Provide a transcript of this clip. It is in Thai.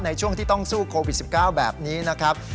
ในช่วงที่ต้องสู้โควิด๑๙แบบนี้นะครับ